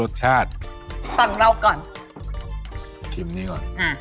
อร่อยจริงออร่อยจริงอ